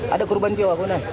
ada korban jawa pak